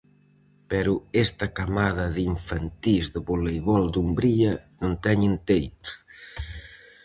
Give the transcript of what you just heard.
Pero esta camada de infantís do Voleibol Dumbría non teñen teito.